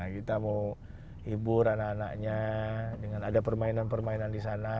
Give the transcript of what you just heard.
kita mau hibur anak anaknya dengan ada permainan permainan di sana